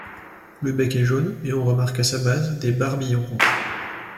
Le bec est jaune, et on remarque à sa base des barbillons rouges.